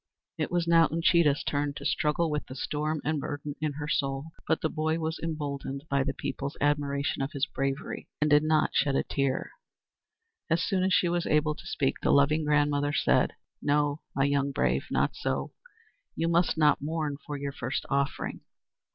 It was now Uncheedah's turn to struggle with the storm and burden in her soul. But the boy was emboldened by the people's admiration of his bravery, and did not shed a tear. As soon as she was able to speak, the loving grandmother said: "No, my young brave, not so! You must not mourn for your first offering.